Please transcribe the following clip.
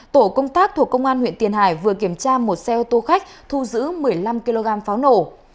tổ công tác thuộc công an huyện tiền hải vừa kiểm tra một xe ô tô khách thu giữ một mươi năm kg pháo nổ